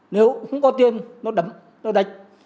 nếu không có tiền nó đắm nó đạch